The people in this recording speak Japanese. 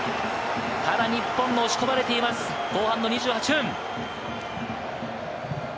ただ日本が押し込まれています、後半２８分。